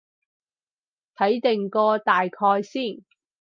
睇定個大概先